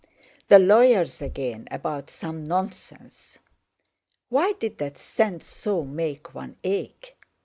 The lawyers again about some nonsense! Why did that scent so make one ache?